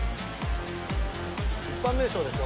一般名称でしょ？